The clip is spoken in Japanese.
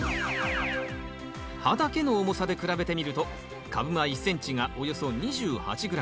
葉だけの重さで比べてみると株間１ｃｍがおよそ２８ｇ